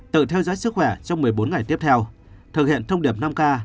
tự theo dõi sức khỏe trong một mươi bốn ngày tiếp theo thực hiện thông điệp năm k